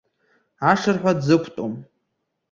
Ашырҳәа дзықәтәом.